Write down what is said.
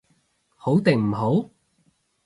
好定唔好？